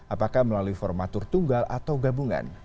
apakah melalui formatur tunggal atau gabungan